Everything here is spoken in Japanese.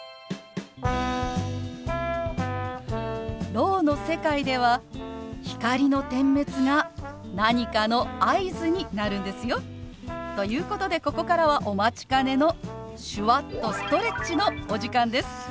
ろうの世界では光の点滅が何かの合図になるんですよ。ということでここからはお待ちかねの手話っとストレッチのお時間です！